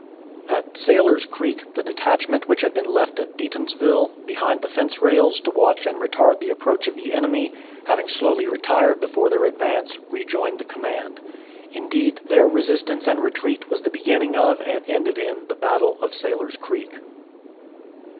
At Sailor's Creek the detachment which had been left at Deatonsville, behind the fence rails, to watch and retard the approach of the enemy, having slowly retired before their advance, rejoined the command. Indeed, their resistance and retreat was the beginning of and ended in the battle of Sailor's Creek.